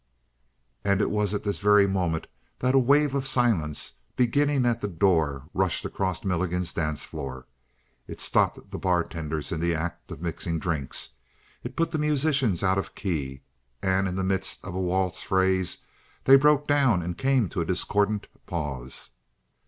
And it was at this very moment that a wave of silence, beginning at the door, rushed across Milligan's dance floor. It stopped the bartenders in the act of mixing drinks; it put the musicians out of key, and in the midst of a waltz phrase they broke down and came to a discordant pause.